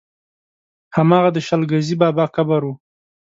هماغه د شل ګزي بابا قبر و.